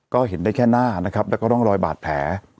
ก็เห็นได้แค่หน้านะครับแล้วก็ร่องรอยบาดแผล